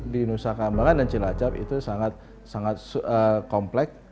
di nusa kambangan dan cilacap itu sangat komplek